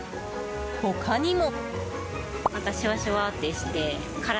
他にも。